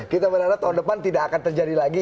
kita berharap tahun depan tidak akan terjadi lagi